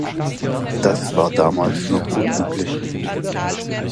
Das war damals noch unüblich.